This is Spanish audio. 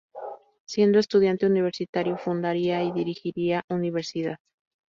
Siendo estudiante universitario fundaría y dirigiría "Universidad".